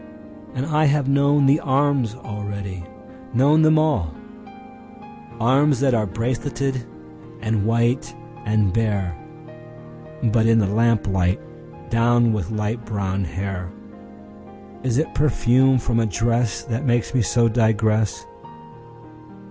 And I have known the arms already, known them all—Arms that are braceleted and white and bare(But in the lamplight, downed with light brown hair!)Is it perfume from a dressThat makes me so digress?